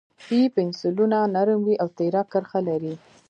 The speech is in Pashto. B پنسلونه نرم وي او تېره کرښه لري.